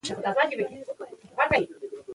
د جیمز کلیر کتاب خورا ګټور دی.